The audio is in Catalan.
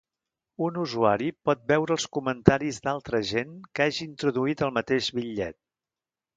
Un usuari pot veure els comentaris d'altra gent que hagi introduït el mateix bitllet.